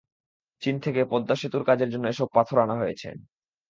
চীন থেকে পদ্মা সেতুর কাজের জন্য এসব পাথর আনা হয়েছে।